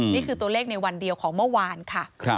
นี่คือตัวเลขในวันเดียวของเมื่อวานค่ะ